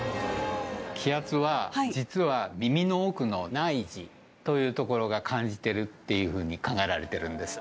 気圧は、実は耳の奥の内耳という所が感じてるっていうふうに考えられてるんです。